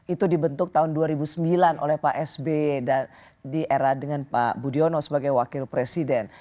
itu dibentuk tahun dua ribu sembilan oleh pak sb di era dengan pak budiono sebagai wakil presiden